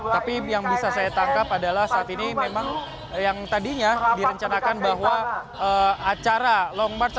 tapi yang bisa saya tangkap adalah saat ini memang yang tadinya direncanakan bahwa acara long march